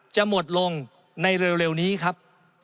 จะหมดลงในเร็วนี้ครับ